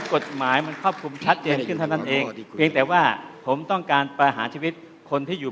กฎหมายมือเผาคุมชัดแยนขึ้นที่ังเผยกันว่าผมต้องการประหารชีวิตคนที่อยู่